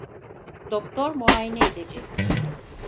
Doktor muayene edecek!